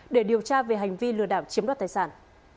để điều tra về hành vi lừa đảo chiếm đoạt tài sản